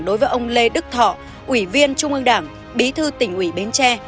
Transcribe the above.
đối với ông lê đức thọ ủy viên trung ương đảng bí thư tỉnh ủy bến tre